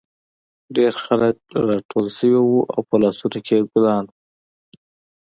ډېر خلک راټول شوي وو او په لاسونو کې یې ګلان وو